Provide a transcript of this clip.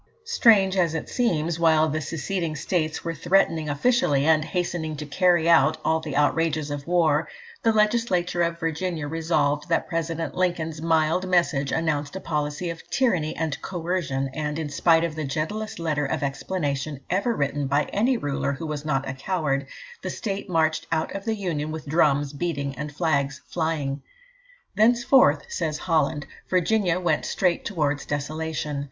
Strange as it seems, while the seceding states were threatening officially, and hastening to carry out, all the outrages of war, the Legislature of Virginia resolved that President Lincoln's mild message announced a policy of tyranny and "coercion;" and, in spite of the gentlest letter of explanation ever written by any ruler who was not a coward, the state marched out of the Union with drums beating and flags flying. "Thenceforth," says Holland, "Virginia went straight towards desolation.